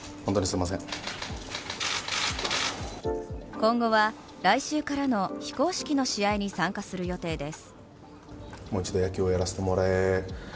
今後は来週からの非公式の試合に参加する予定です。